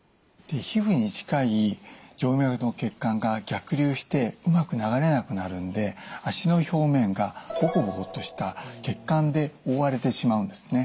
皮膚に近い静脈の血管が逆流してうまく流れなくなるんで脚の表面がボコボコとした血管で覆われてしまうんですね。